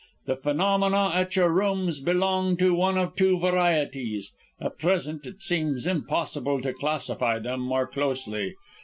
The phenomena at your rooms belong to one of two varieties; at present it seems impossible to classify them more closely.